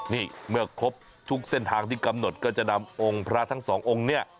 นี่เมื่อครบทุกเส้นทางที่กำหนดก็จะนำองค์พระทั้งสององค์เนี่ย